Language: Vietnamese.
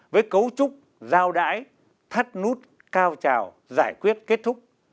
với cấu trúc dao đãi thắt nút cao trào giải quyết kết thúc